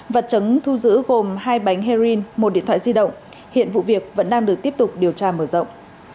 vật chứng thu giữ gồm hai bánh heroin một điện thoại di động hiện vụ việc vẫn đang được tiếp tục điều tra mở rộng